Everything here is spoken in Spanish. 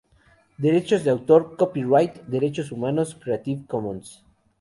Derechos de Autor, "Copyright", Derechos Humanos, "Creative Commons".